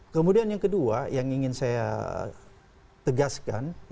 kemudian yang kedua yang ingin saya tegaskan